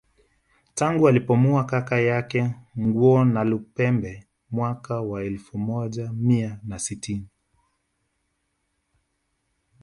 Tangu alipomuua kaka yake Ngawonalupembe mwaka wa elfu moja mia na sitini